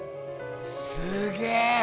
すげえ！